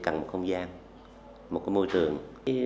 cần một không gian một môi trường